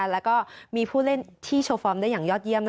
แล้วก็มีผู้เล่นที่โชว์ฟอร์มได้อย่างยอดเยี่ยม